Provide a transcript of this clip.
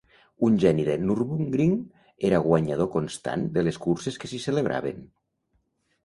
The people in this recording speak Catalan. Un geni de Nürburgring, era guanyador constant de les curses que s'hi celebraven.